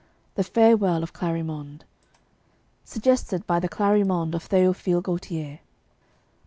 THE FAREWELL OF CLARIMONDE. (Suggested by the "Clarimonde" OF Théophile Gautier.)